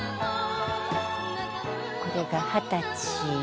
これが二十歳。